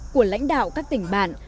của lãnh đạo các tỉnh bản